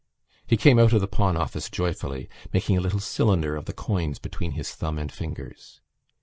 He came out of the pawn office joyfully, making a little cylinder, of the coins between his thumb and fingers.